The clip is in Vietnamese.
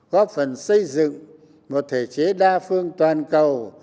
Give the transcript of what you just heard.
góp phần xây dựng một thể chế đa phương toàn cầu